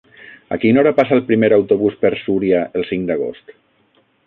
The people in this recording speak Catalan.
A quina hora passa el primer autobús per Súria el cinc d'agost?